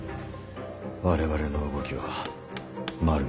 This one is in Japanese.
我々の動きは丸見えだ。